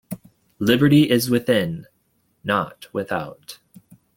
Liberty is within — not without.